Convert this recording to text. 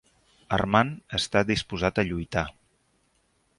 Armand està disposat a lluitar.